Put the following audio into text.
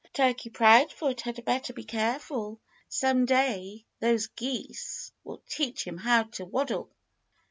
"Turkey Proudfoot had better be careful. Some day those geese will teach him how to waddle."